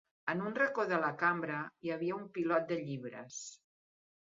En un racó de la cambra hi havia un pilot de llibres.